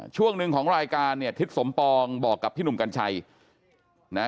ช่วงหนึ่งของรายการเนี่ยทิศสมปองบอกกับพี่หนุ่มกัญชัยนะ